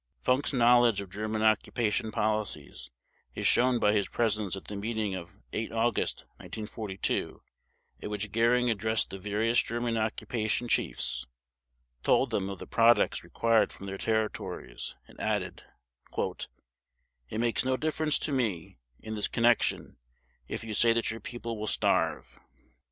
Funk's knowledge of German occupation policies is shown by his presence at the meeting of 8 August 1942, at which Göring addressed the various German occupation chiefs, told them of the products required from their territories, and added: "It makes no difference to me in this connection if you say that your people will starve."